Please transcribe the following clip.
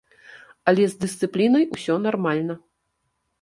Але з дысцыплінай усё нармальна.